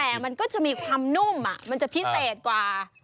แต่มันก็จะมีความนุ่มมันจะพิเศษกว่า